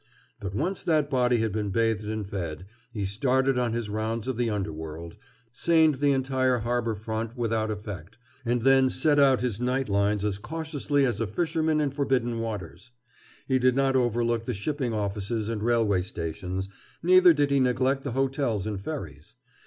But once that body had been bathed and fed, he started on his rounds of the underworld, seined the entire harbor front without effect, and then set out his night lines as cautiously as a fisherman in forbidden waters. He did not overlook the shipping offices and railway stations, neither did he neglect the hotels and ferries.